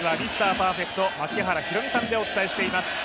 パーフェクト槙原寛己さんでお伝えしています。